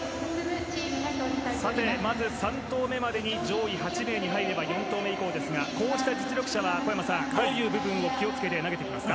まず３投目までに上位８位までに入れば４投目以降ですがこうした実力者はどういう部分を気を付けて投げていますか。